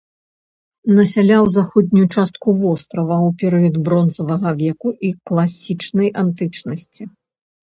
Насяляў заходнюю частку вострава ў перыяд бронзавага веку і класічнай антычнасці.